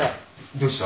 どうした？